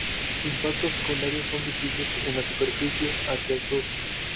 Impactos secundarios son visibles en la superficie hacia el sur.